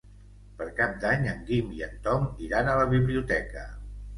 Per Cap d'Any en Guim i en Tom iran a la biblioteca.